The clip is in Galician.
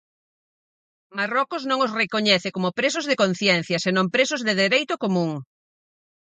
Marrocos non os recoñece como presos de conciencia, senón presos de dereito común.